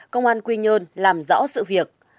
công an quy nhơn làm rõ sự việc